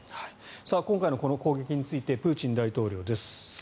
今回の攻撃についてプーチン大統領です。